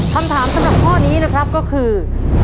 คำถามสำหรับข้อนี้นะครับก็คือ